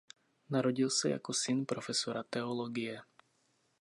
Narodil se jako syn profesora teologie.